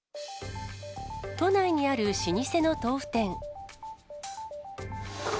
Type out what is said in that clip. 都内にある老舗の豆腐店。